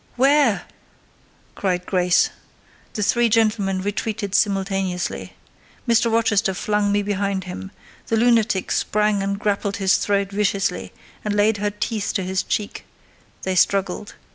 "'Ware!" cried Grace. The three gentlemen retreated simultaneously. Mr. Rochester flung me behind him: the lunatic sprang and grappled his throat viciously, and laid her teeth to his cheek: they struggled.